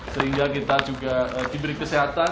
sehingga kita juga diberi kesehatan